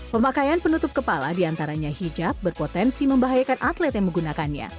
pemakaian penutup kepala diantaranya hijab berpotensi membahayakan atlet yang menggunakannya